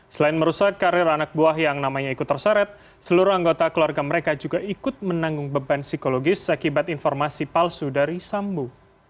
selain merusak karir anak buah yang namanya ikut terseret seluruh anggota keluarga mereka juga ikut menanggung beban psikologis akibat informasi palsu dari sambo